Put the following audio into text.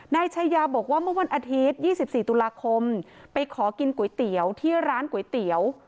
นายชายาบอกว่าเมื่อวันอาทิตย์๒๔ตุลาคมไปขอกินก๋วยเตี๋ยวที่ร้านก๋วยเตี๋ยว